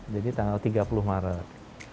jadi tanggal tiga puluh maret